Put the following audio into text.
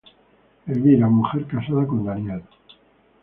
Elvira: Mujer casada con Daniel.